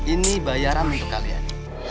ini bayaran untuk kalian